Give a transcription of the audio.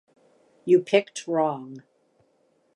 You picked wrong.